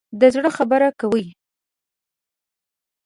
د زړه خبره کوي.